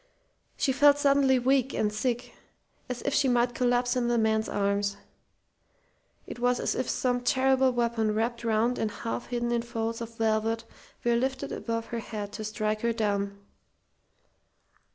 She felt suddenly weak and sick, as if she might collapse in the man's arms. It was as if some terrible weapon wrapped round and half hidden in folds of velvet were lifted above her head to strike her down.